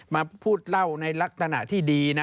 มาพูดเล่าในลักษณะที่ดีนะ